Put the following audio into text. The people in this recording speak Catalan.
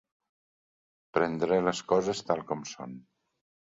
Prendre les coses tal com són.